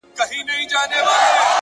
باروتي زلفو دې دومره راگير کړی’